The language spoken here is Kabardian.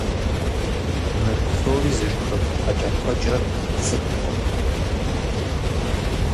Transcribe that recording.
Мы псори зышхыф хьэкӀэкхъуэкӀэр цӀыкӀукъым.